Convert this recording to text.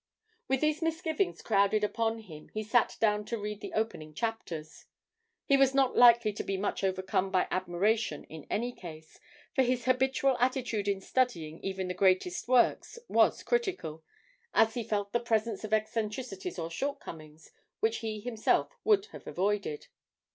With these misgivings crowded upon him, he sat down to read the opening chapters; he was not likely to be much overcome by admiration in any case, for his habitual attitude in studying even the greatest works was critical, as he felt the presence of eccentricities or shortcomings which he himself would have avoided.